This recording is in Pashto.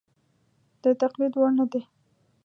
د تقلید وړ نه دي.